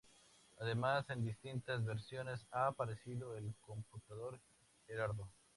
Además, en distintas versiones, ha aparecido el "computador Gerardo".